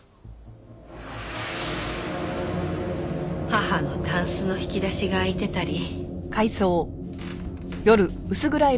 義母のたんすの引き出しが開いてたり。